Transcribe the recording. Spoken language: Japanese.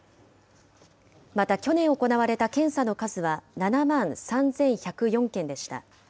また、去年行われた検査の数は７万３１０４件でした。